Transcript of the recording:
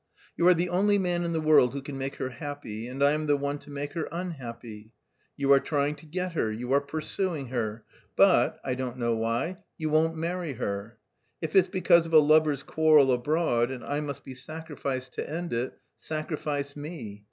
You are the only man in the world who can make her happy, and I am the one to make her unhappy. You are trying to get her, you are pursuing her, but I don't know why you won't marry her. If it's because of a lovers' quarrel abroad and I must be sacrificed to end it, sacrifice me.